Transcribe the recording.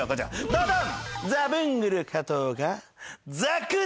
ドドン！